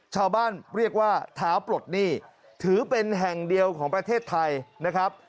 ชาวบ้านเรียกว่าเท้าปลดหนี้ถือเป็นแห่งเดียวของประเทศไทยนะครับ